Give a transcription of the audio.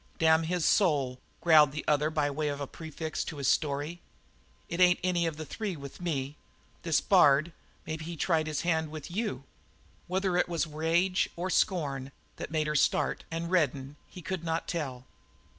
"Damn his soul!" growled the other by way of a prefix to his story. "It ain't any of the three with me. This Bard maybe he tried his hand with you?" Whether it was rage or scorn that made her start and redden he could not tell.